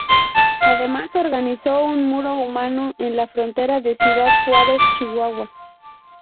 Además, organizó un muro humano en la frontera de Ciudad Juárez, Chihuahua.